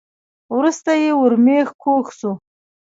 وروسته یې ورمېږ کوږ شو .